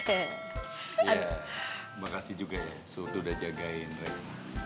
iya makasih juga ya surti udah jagain reva